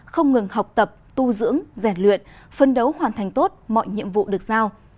không ngừng học tập tu dưỡng rèn luyện phân đấu hoàn thành tốt mọi nhiệm vụ được giao